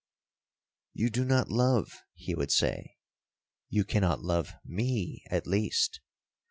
'You do not love?' he would say;—'you cannot love me at least.